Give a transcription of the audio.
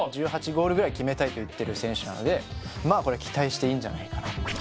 ゴールぐらい決めたいと言ってる選手なのでまあこれは期待していいんじゃないかなと。